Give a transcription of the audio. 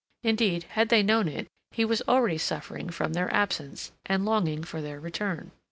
Indeed, had they known it, he was already suffering from their absence, and longing for their return.